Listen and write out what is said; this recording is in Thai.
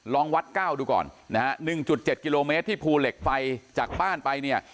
ลองวัด๙ดูก่อนนะฮะ๑๗กิโลเมตรที่ภูเหล็กไฟจากบ้านไปเนี่ย